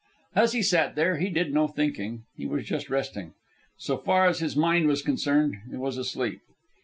As he sat there, he did no thinking. He was just resting. So far as his mind was concerned, it was asleep.